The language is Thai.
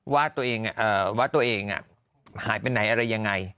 ว่าตัวเองหายไปไหนอะไรยังไง